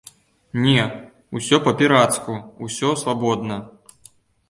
Не, усё па-пірацку, усё свабодна.